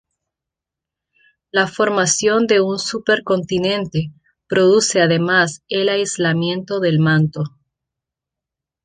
La formación de un supercontinente produce además el aislamiento del manto.